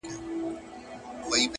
د ارادې قوت د خنډونو قد ټیټوي